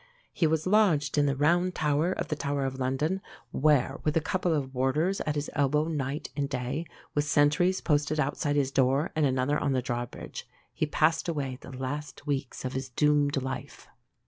He was lodged in the Round Tower of the Tower of London, where, with a couple of warders at his elbow night and day, with sentries posted outside his door, and another on the drawbridge, he passed the last weeks of his doomed life.